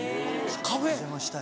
お邪魔したい。